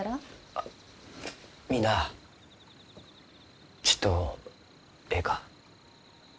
あみんなあちっとえいか？